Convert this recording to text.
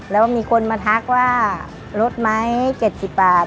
แล้วมีคนมาทักว่าลดไหม๗๐บาท